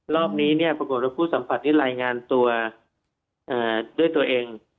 รอบนี้เนี่ยปรากฏว่าผู้สัมผัสได้รายงานตัวด้วยตัวเอง